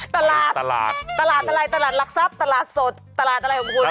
ตลาดตลาดอะไรตลาดหลักทรัพย์ตลาดสดตลาดอะไรของคุณ